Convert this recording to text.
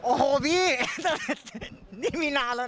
โอ้โหพี่นี่มีนานแล้วนะ